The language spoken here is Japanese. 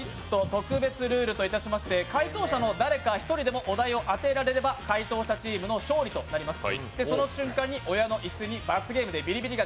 特別ルールとしまして回答者の誰か１人でもお題を当てられれば回答者チームの勝利となります。